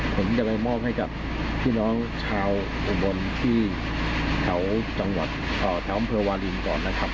ผมจะไปมอบให้กับพี่น้องชาวอุบลที่แถวจังหวัดแถวอำเภอวาลินก่อนนะครับ